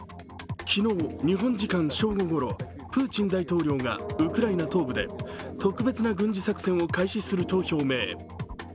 昨日日本時間正午ごろ、プーチン大統領がウクライナ東部で特別な軍事作戦を開始すると表明。